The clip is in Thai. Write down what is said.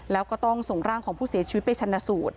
แล้วก็ต้องส่งร่างของผู้เสียชีวิตไปชนะสูตร